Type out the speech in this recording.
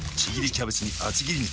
キャベツに厚切り肉。